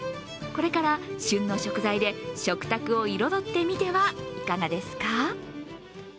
これから旬の食材で食卓を彩ってみてはいかがですか？